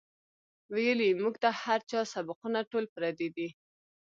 وئیلـي مونږ ته هـر چا سبقــونه ټول پردي دي